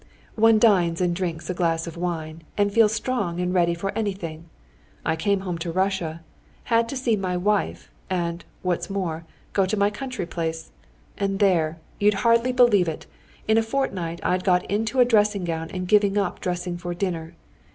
One dines and drinks a glass of wine, and feels strong and ready for anything. I came home to Russia—had to see my wife, and, what's more, go to my country place; and there, you'd hardly believe it, in a fortnight I'd got into a dressing gown and given up dressing for dinner.